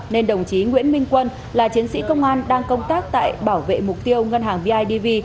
nên đồng chí nguyễn minh quân là chiến sĩ công an đang công tác tại bảo vệ mục tiêu ngân hàng bidv